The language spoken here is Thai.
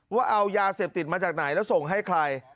ว่าเอายาเสพติดมาจากไหนแล้วส่งให้ใคร